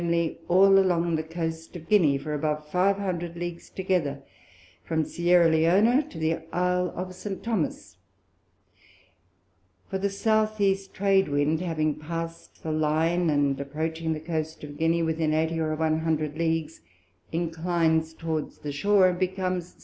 _ all along the Coast of Guinea, for above five hundred Leagues together, from Sierra Leona to the Isle of St. Thomas; for the South East Trade Wind having pass'd the Line, and approaching the Coast of Guinea within eighty or 100 Leagues, inclines towards the Shore, and becomes S.